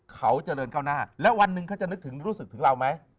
เขาเจริญก้าวหน้าแล้ววันหนึ่งเขาจะนึกถึงรู้สึกถึงเราไหม